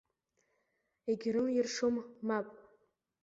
Егьрылиршом, мап.